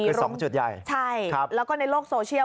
คือสองจุดใหญ่ครับใช่แล้วก็ในโลกโซเชียล